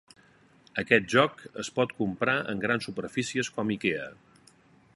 Aquest joc es pot comprar en grans superfícies com Ikea.